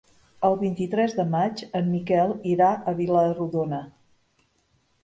El vint-i-tres de maig en Miquel irà a Vila-rodona.